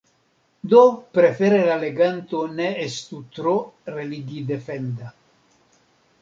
Do prefere la leganto ne estu tro religidefenda.